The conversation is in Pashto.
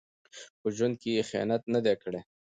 په ژوند کې یې خیانت نه دی کړی.